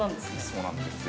◆そうなんですよ。